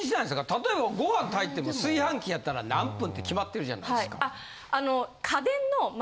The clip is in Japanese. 例えばご飯炊いても炊飯器やったら何分って決まってるじゃないですか。